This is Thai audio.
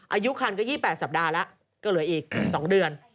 อายุคันก็๒๘สัปดาห์แล้วก็เหลืออีก๒เดือน